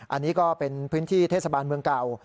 อันนี้ก็เป็นพื้นที่เทศบาลเมืองเก่า